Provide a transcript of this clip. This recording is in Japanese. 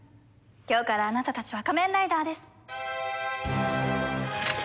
今日からあなたたちは仮面ライダーです。